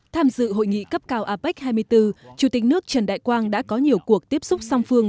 tham dự hội nghị cấp cao apec hai mươi bốn chủ tịch nước trần đại quang đã có nhiều cuộc tiếp xúc song phương